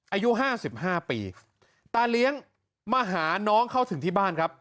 อายุ๕๕ปีตาเลี้ยงมาหาน้องเข้าถึงที่บ้านครับ